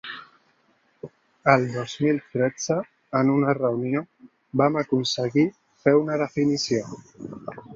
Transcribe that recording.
El dos mil tretze, en una reunió, vam aconseguir fer una definició.